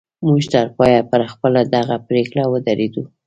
موږ تر پایه پر خپله دغه پرېکړه ودرېدو